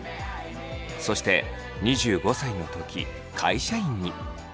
そして２５歳の時会社員に。